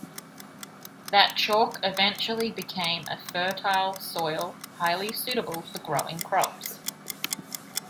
That chalk eventually became a fertile soil highly suitable for growing crops.